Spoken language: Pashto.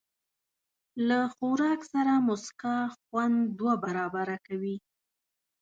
له خوراک سره موسکا، خوند دوه برابره کوي.